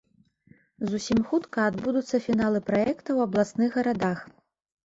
Зусім хутка адбудуцца фіналы праекта ў абласных гарадах.